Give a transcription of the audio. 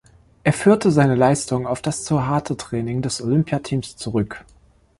Er führte seine Leistung auf das zu harte Training des Olympiateams zurück.